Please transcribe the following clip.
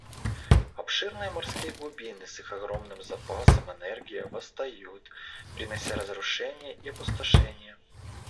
Обширные морские глубины с их огромным запасом энергии восстают, принося разрушения и опустошение.